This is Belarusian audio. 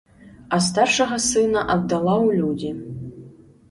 А старшага сына аддала ў людзі.